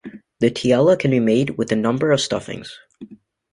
The tiella can be made with a number of stuffings.